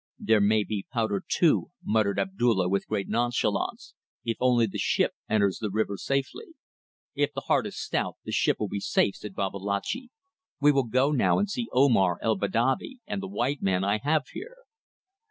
"There may be powder too," muttered Abdulla with great nonchalance, "if only the ship enters the river safely." "If the heart is stout the ship will be safe," said Babalatchi. "We will go now and see Omar el Badavi and the white man I have here."